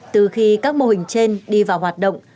từ khi các mô hình trên đi vào hoạt động